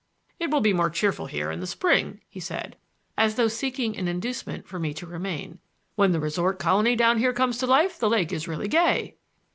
"It will be more cheerful here in the spring," he said, as though seeking an inducement for me to remain. "When the resort colony down here comes to life the lake is really gay."